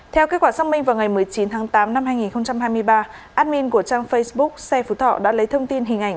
theo kết quả xác minh vào ngày một mươi chín tháng tám năm hai nghìn hai mươi ba admin của trang facebook xe phú thọ đã lấy thông tin hình ảnh